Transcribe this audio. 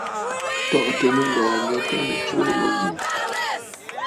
Tɔ̀ʼɔ̀tə̀ nɨŋgɔ̀ɔ̀ nyâ tâ nɨ̀ tsuu lǒ wò.